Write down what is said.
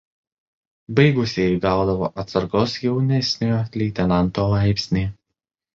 Baigusieji gaudavo atsargos jaunesniojo leitenanto laipsnį.